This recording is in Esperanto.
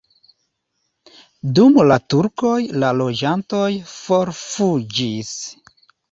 Dum la turkoj la loĝantoj forfuĝis.